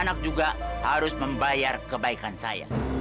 anak juga harus membayar kebaikan saya